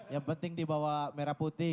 yang penting dibawa merah putih